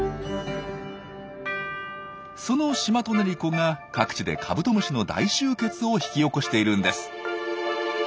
そのシマトネリコが各地でカブトムシの大集結を引き起こしているんです。